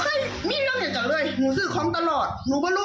ขณะเดียวกันคุณอ้อยคนที่เป็นเมียฝรั่งคนนั้นแหละ